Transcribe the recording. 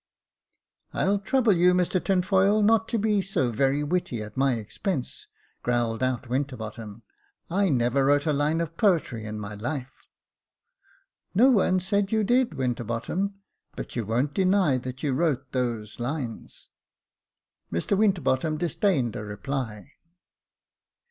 "I'll trouble you, Mr Tinfoil, not to be so very witty at my expense," growled out Winterbottom. " I never wrote a line of poetry in my life," " No one said you did, Winterbottom ; but you won't deny that you wrote those lines." Mr Winterbottom disdained a reply.